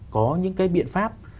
có những cái biện pháp